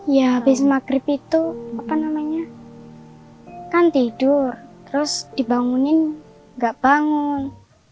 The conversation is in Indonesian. ya habis maghrib itu kan tidur terus dibangunin tidak bangun